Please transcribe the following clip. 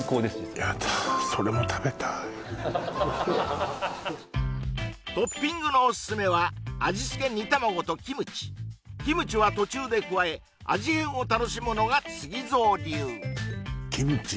ヤダそれも食べたいトッピングのオススメは味つけ煮玉子とキムチキムチは途中で加え味変を楽しむのがＳＵＧＩＺＯ流キムチ